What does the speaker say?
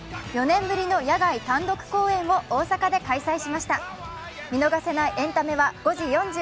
４年ぶりの野外単独公演を大阪で開催しました。